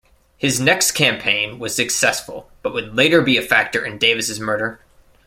His next campaign was successful but would later be a factor in Davis's murder.